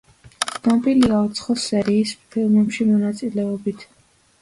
ცნობილია უცხოს სერიის ფილმებში მონაწილეობით.